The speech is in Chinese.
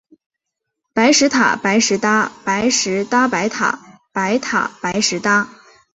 白石塔，白石搭。白石搭白塔，白塔白石搭